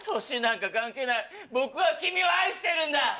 年なんか関係ない僕は君を愛してるんだ！